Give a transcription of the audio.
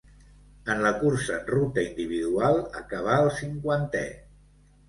En la cursa en ruta individual acabà el cinquantè.